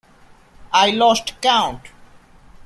I lost count.